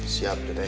siap deh nay